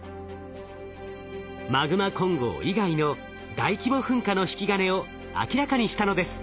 マグマ混合以外の大規模噴火の引き金を明らかにしたのです。